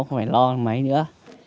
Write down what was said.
không phải lo mấy nữa